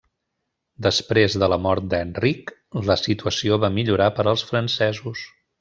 Després de la mort d'Enric, la situació va millorar per als francesos.